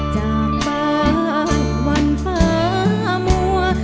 จากปากวันฟ้ามั่ว